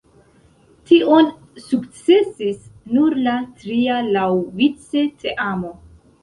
Tion sukcesis nur la tria laŭvice teamo.